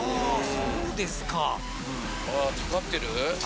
そうですかさあ